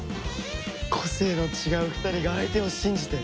個性の違う２人が相手を信じて。